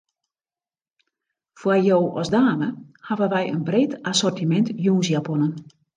Foar jo as dame hawwe wy in breed assortimint jûnsjaponnen.